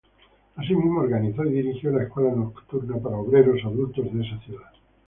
Asimismo organizó y dirigió la escuela nocturna para obreros adultos de esa ciudad.